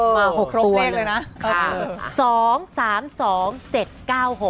มา๖ตัวเลยนะ